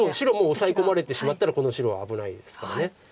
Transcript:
オサエ込まれてしまったらこの白は危ないですから。